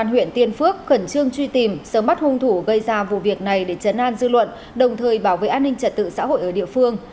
công an huyện tiên phước khẩn trương truy tìm sớm bắt hung thủ gây ra vụ việc này để chấn an dư luận đồng thời bảo vệ an ninh trật tự xã hội ở địa phương